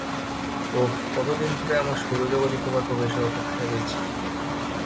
ওহ, কতদিন ধরে আমার সৌরজগতে তোমার প্রবেশের অপেক্ষায় রয়েছি।